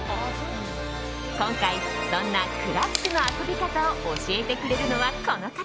今回、そんなＫＬＡＳＫの遊び方を教えてくれるのはこの方。